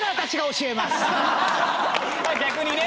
逆にね。